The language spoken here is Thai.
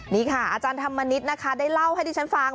นี่ค่ะอาจารย์ทำมนตบินได้เล่าให้ที่ฟัง